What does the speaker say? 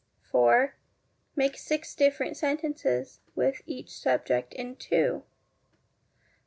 4. Make six different sentences with each subject in 2. 5.